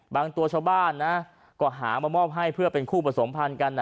ตัวชาวบ้านนะก็หามามอบให้เพื่อเป็นคู่ผสมพันธ์กัน